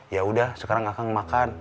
yaudah sekarang akang makan